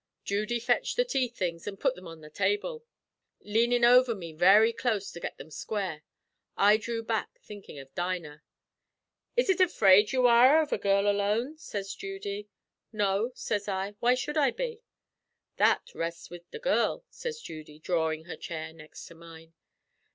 Judy fetched the tea things an' put thim on the table, leanin' over me very close to get them square. I dhrew back, thinkin' of Dinah. "'Is ut afraid you are av a girl alone?' sez Judy. "'No,' sez I. 'Why should I be?' "'That rests wid the girl,' sez Judy, dhrawin' her chair next to mine.